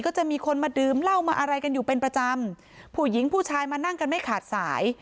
ก็จะมีคนมาดื่มเหล้ามาอะไรกันอยู่เป็นประจำผู้หญิงผู้ชายมานั่งกันไม่ขาดสาย